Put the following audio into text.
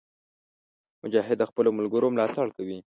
مجاهد د خپلو ملګرو ملاتړ کوي.